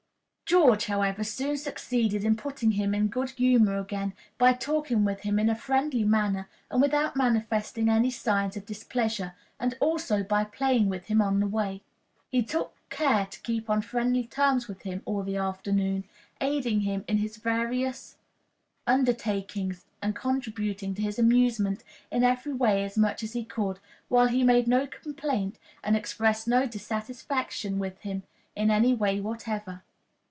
George, however, soon succeeded in putting him in good humor again by talking with him in a friendly manner, and without manifesting any signs of displeasure, and also by playing with him on the way. He took care to keep on friendly terms with him all the afternoon, aiding him in his various undertakings, and contributing to his amusement in every way as much as he could, while he made no complaint, and expressed no dissatisfaction with him in any way whatever.